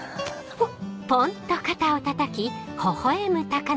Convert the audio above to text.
あっ。